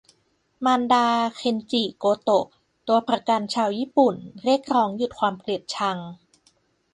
มารดา "เคนจิ โกโตะ" ตัวประกันชาวญี่ปุ่น เรียกร้องหยุดความเกลียดชัง